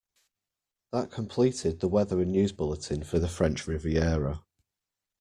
That completed the weather and news bulletin for the French Riviera.